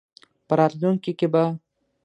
په راتلونکې کې به